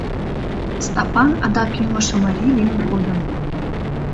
Стапан адак ӱҥышӧ марий лийын кодын.